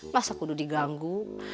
masa kudu diganggu